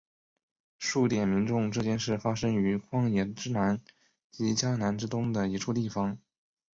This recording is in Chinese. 数点民众这件事发生于旷野之南及迦南之东的一处地方。